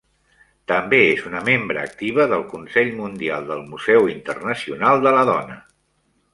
També és una membre activa del Consell Mundial del Museu Internacional de la Dona.